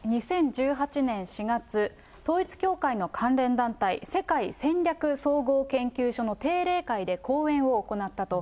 ２０１８年４月、統一教会の関連団体、世界戦略総合研究所の定例会で講演を行ったと。